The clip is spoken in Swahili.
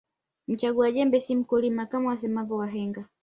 Mchagua jembe si mkulima Kama wasemavyo wahenga